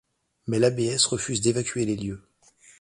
Mais l'abbesse refuse d'évacuer les lieux.